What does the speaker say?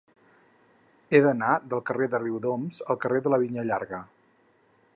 He d'anar del carrer de Riudoms al carrer de la Vinya Llarga.